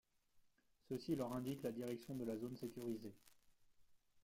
Ceux-ci leur indiquent la direction de la zone sécurisée.